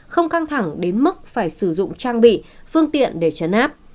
không căng thẳng đến mức phải sử dụng trang bị phương tiện để chấn áp